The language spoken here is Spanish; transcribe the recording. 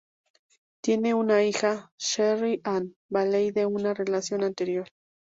Tiene una hija: Sherri Ann Valley de una relación anterior.